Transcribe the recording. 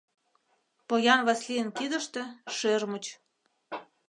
Поян Васлийын кидыште — шӧрмыч.